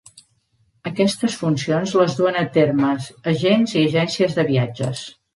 Aquestes funcions les duen a termes agents i agències de viatges.